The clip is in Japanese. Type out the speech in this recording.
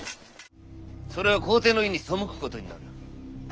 それは皇帝の意に背くことになる。